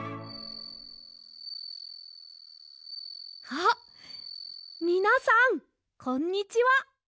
あっみなさんこんにちは。